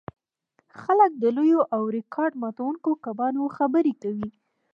خلک د لویو او ریکارډ ماتوونکو کبانو خبرې کوي